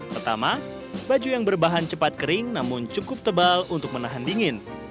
pertama baju yang berbahan cepat kering namun cukup tebal untuk menahan dingin